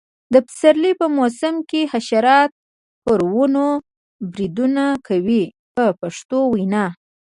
د پسرلي په موسم کې حشرات پر ونو بریدونه کوي په پښتو وینا.